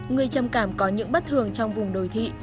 người trầm cảm có những bất thường trong vùng đồi thị